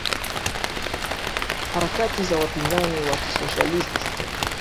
harakati na wapinzani wa kisosialisti